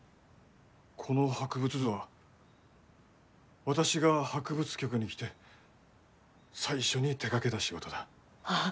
この博物図は私が博物局に来て最初に手がけた仕事だ。ああ。